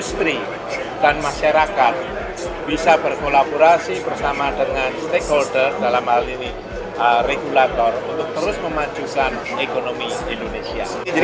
sinergi yang sangat besar